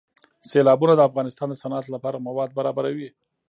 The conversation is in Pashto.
سیلابونه د افغانستان د صنعت لپاره مواد برابروي.